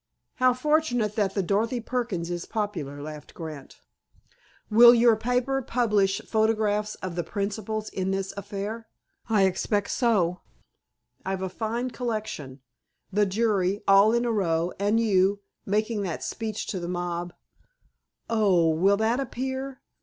"How fortunate that the Dorothy Perkins is popular!" laughed Grant. "Will your paper publish photographs of the principals in this affair?" "I expect so. I've a fine collection—the jury, all in a row—and you, making that speech to the mob." "Oh! Will that appear?"